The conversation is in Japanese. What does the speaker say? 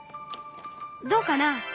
どうかな？